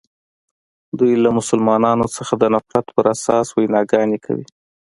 دوی له مسلمانانو څخه د نفرت په اساس ویناګانې کوي.